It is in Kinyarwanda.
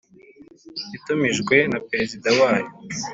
Itumijwe na perezida wayo